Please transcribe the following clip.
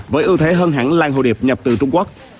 với ưu thế hơn hẳn lan hồ điệp nhập từ trung quốc